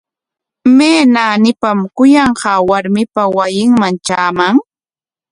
¿May naanipam kuyanqaa warmipa wasinman traaman?